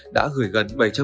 đã gửi gần bảy trăm linh